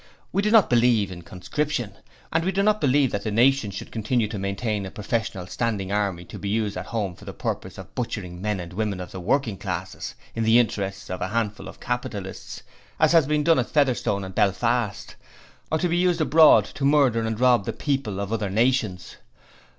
We do not believe in conscription, and we do not believe that the nation should continue to maintain a professional standing army to be used at home for the purpose of butchering men and women of the working classes in the interests of a handful of capitalists, as has been done at Featherstone and Belfast; or to be used abroad to murder and rob the people of other nations.